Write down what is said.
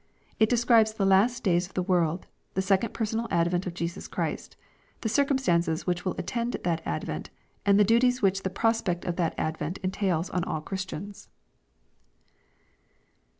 It describes the last days of the world, the second personal advent of Jesus Christ, the circumstances which will attend that advent, and the duties which the prospect of that advent entails on all Christians.